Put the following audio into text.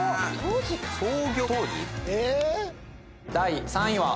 第３位は。